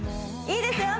いいですよ